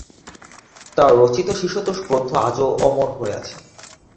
তার রচিত শিশুতোষ গ্রন্থ আজও অমর হয়ে আছে।